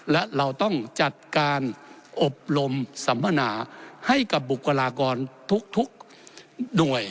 และเราต้องจัดการอบรมสัมมนาให้กับบุคลากรทุกหน่วย